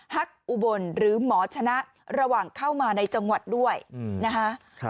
ฮักอุบลหรือหมอชนะระหว่างเข้ามาในจังหวัดด้วยนะคะ